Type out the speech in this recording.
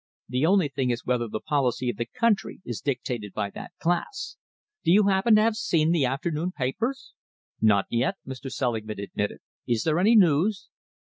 The only thing is whether the policy of the country is dictated by that class. Do you happen to have seen the afternoon papers?" "Not yet," Mr. Selingman admitted. "Is there any news?"